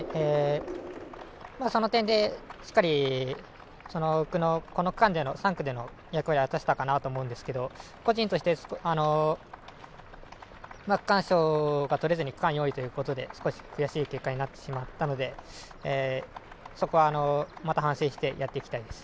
その点でしっかり、僕の区間での、３区での役割は果たせたかなと思うんですけど個人として区間賞が取れずに区間４位ということで少し悔しい結果になってしまったのでそこは反省してやっていきたいです。